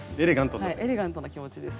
エレガントな気持ちです。